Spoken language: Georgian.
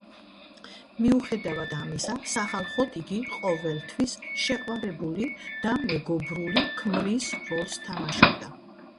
მიუხედავად ამისა, სახალხოდ იგი ყოველთვის შეყვარებული და მეგობრული ქმრის როლს თამაშობდა.